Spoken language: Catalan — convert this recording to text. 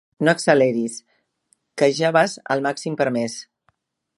No acceleris, que ja vas al màxim permès.